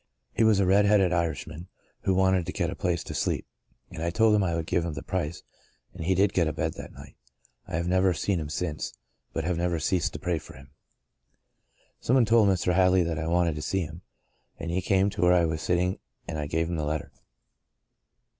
He was a red headed Irishman, who wanted to get a place to sleep, and I told him I would give him the price, and he did get a bed that night. I have never seen him since, but have never ceased to pray for him. " Some one told Mr. Hadley that I wanted to see him, and he came to where I was sit ting and I gave him the letter.